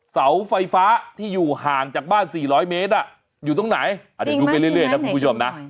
เสาไฟฟ้าที่อยู่ห่างจากบ้าน๔๐๐เมตรอยู่ตรงไหนเดี๋ยวดูไปเรื่อยนะคุณผู้ชมนะ